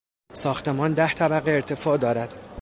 ساختمان ده طبقه ارتفاع دارد.